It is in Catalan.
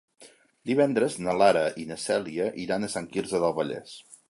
Divendres na Lara i na Cèlia iran a Sant Quirze del Vallès.